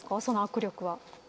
その握力は。